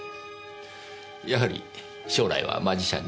やはり将来はマジシャンに？